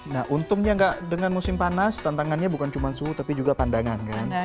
nah untungnya nggak dengan musim panas tantangannya bukan cuma suhu tapi juga pandangan kan